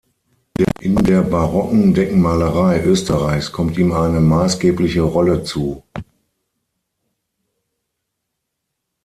In der barocken Deckenmalerei Österreichs kommt ihm eine maßgebliche Rolle zu.